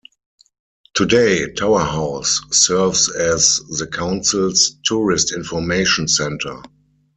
Today, Tower House serves as the Council's Tourist Information Centre.